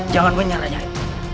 jangan menyerah nyai